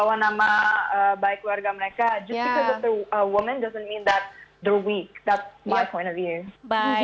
hanya karena mereka wanita itu tidak berarti mereka lemah